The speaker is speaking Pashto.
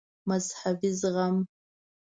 مذهبي زغم